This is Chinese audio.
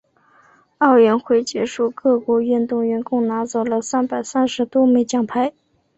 奥运会结束，各国运动员共拿走了三百三十多枚奖牌。